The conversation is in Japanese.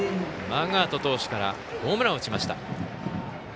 マーガード投手からホームランを打ちました。